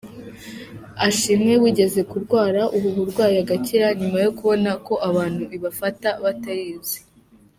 Ashimwe wigeze kurwara ubu burwayi agakira, nyuma yo kubona ko abantu ibafata batayizi.